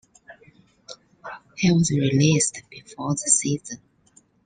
He was released before the season.